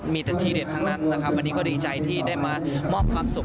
มีแต่ทีเด็ดทั้งนั้นนะครับวันนี้ก็ดีใจที่ได้มามอบความสุข